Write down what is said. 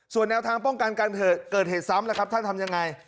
ส่วนแนวทางป้องกันการเกิดเหตุซ้ำล่ะครับท่านทำยังไง